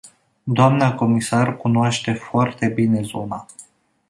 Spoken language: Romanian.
Dna comisar cunoaște foarte bine zona.